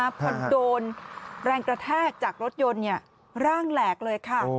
มันโดนแรงกระแทกจากรถยนต์เนี่ยร่างหลากเลยค่ะ